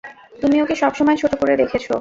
তুমি ওকে সবসময় ছোট করে দেখেছ।